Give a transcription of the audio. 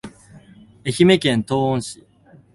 愛媛県東温市